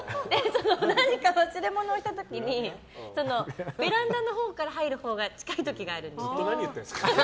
何か忘れ物をした時にベランダのほうから入るほうが近い時がある。